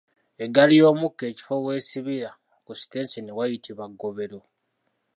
Eggaali y’omukka ekifo w’esibira ku sitenseni wayitibwa ggobero.